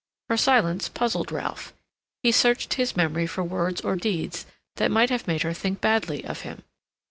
Her silence puzzled Ralph. He searched his memory for words or deeds that might have made her think badly of him.